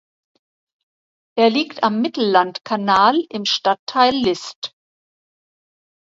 Er liegt am Mittellandkanal im Stadtteil List.